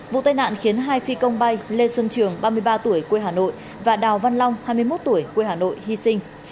vụ tai nạn khiến hai phi công bay lê xuân trường ba mươi ba tuổi quê hà nội và đào văn long hai mươi một tuổi quê hà nội hy sinh